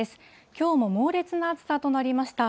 きょうも猛烈な暑さとなりました。